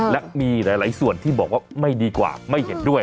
และมีหลายส่วนที่บอกว่าไม่ดีกว่าไม่เห็นด้วย